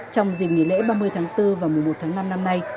trong dịp nghỉ lễ ba mươi tháng bốn và mùa một tháng năm năm nay